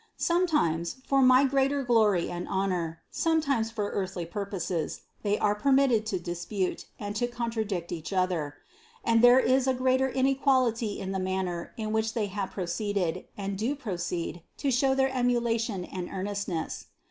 Sometimes, for my greater glory and honor, sometimes for earthly purposes, they are permitted to dispute, and to contradict each other; and there is a great inequality in the manner in which they have proceeded and do proceed to show their emula tion and earnestness.